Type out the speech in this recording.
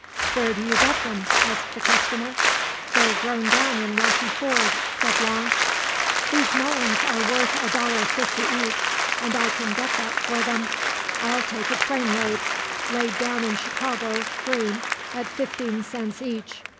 "Where do you get them?" asked the customer. "They're grown down in Rocky Ford," said Long. "These melons are worth $1.50 each and I can get that for them. I'll take a train load, laid down in Chicago, green, at fifteen cents each.